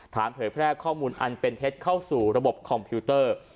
เผยแพร่ข้อมูลอันเป็นเท็จเข้าสู่ระบบคอมพิวเตอร์